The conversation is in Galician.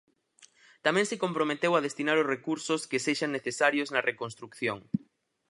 Tamén se comprometeu a destinar os recursos que sexan necesarios na reconstrución.